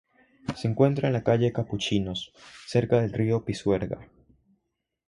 Se encuentra en la calle capuchinos, cerca del río Pisuerga.